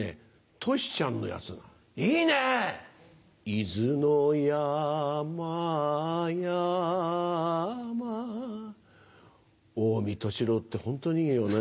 伊豆の山々近江俊郎ってホントにいいよね。